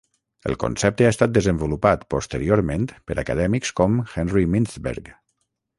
El concepte ha estat desenvolupat posteriorment per acadèmics com Henry Mintzberg.